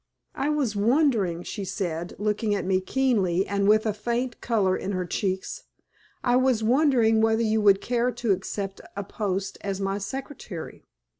"I was wondering," she said, looking at me keenly, and with a faint color in her cheeks "I was wondering whether you would care to accept a post as my secretary.